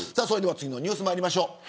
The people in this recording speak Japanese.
次のニュース、まいりましょう。